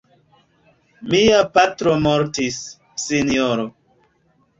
Mia patro mortis, sinjoro.